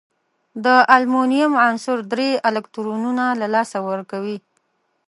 د المونیم عنصر درې الکترونونه له لاسه ورکوي.